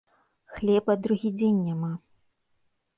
Хлеба другі дзень няма.